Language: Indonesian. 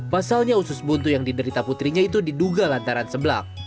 pasalnya usus buntu yang diderita putrinya itu diduga lantaran seblak